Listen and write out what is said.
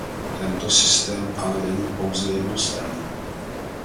Tento systém ale není pouze jednostranný.